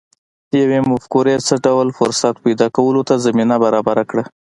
یوې مفکورې څه ډول فرصت پیدا کولو ته زمینه برابره کړه